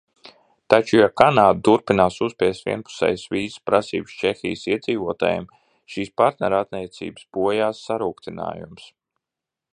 Taču, ja Kanāda turpinās uzspiest vienpusējas vīzas prasības Čehijas iedzīvotājiem, šīs partnerattiecības bojās sarūgtinājums.